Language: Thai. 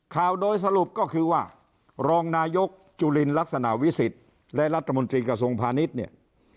ข่าวโดยสรุปก็คือว่ารองนายกจุลินลักษณะวิสิทธิ์และรัฐมนตรีกระทรวงพาณิชย์เนี่ย